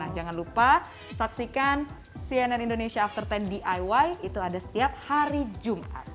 jangan lupa saksikan cnn indonesia after sepuluh diy itu ada setiap hari jumat